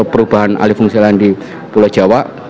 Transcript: perubahan alih fungsi lahan di pulau jawa